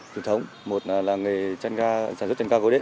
thứ nhất là nghề sản xuất chăn ga gối đếm